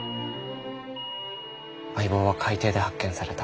相棒は海底で発見された。